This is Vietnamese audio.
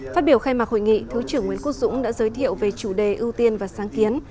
phát biểu khai mạc hội nghị thứ trưởng nguyễn quốc dũng đã giới thiệu về chủ đề ưu tiên và sáng kiến